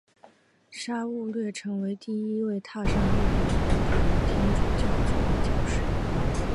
沙勿略成为第一位踏上日本国土的天主教传教士。